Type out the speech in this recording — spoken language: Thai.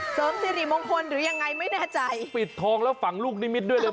เสริมสิริมงคลหรือยังไงไม่แน่ใจปิดทองแล้วฝังลูกนิมิตด้วยเลย